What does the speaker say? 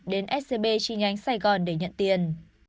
đến scb chi nhánh sài gòn để nhận tiền